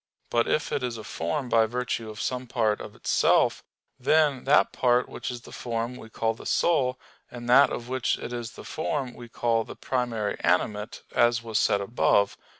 But if it is a form by virtue of some part of itself, then that part which is the form we call the soul, and that of which it is the form we call the "primary animate," as was said above (Q.